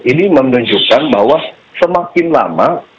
ini menunjukkan bahwa semakin lama